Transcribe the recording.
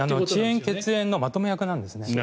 地縁、血縁のまとめ役なんですね。